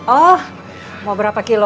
oh anda ingin berapa kilo